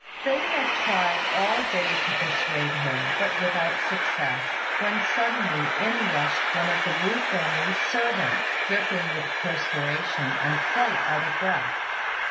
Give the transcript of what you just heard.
They had tried all day to persuade her, but without success, when suddenly in rushed one of the Wu family's servants, dripping with perspiration and quite out of breath.